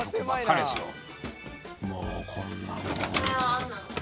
もうこんな。